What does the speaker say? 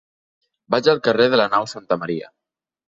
Vaig al carrer de la Nau Santa Maria.